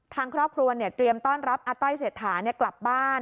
ทางครอบครัวเตรียมต้อนรับอาต้อยเศรษฐากลับบ้าน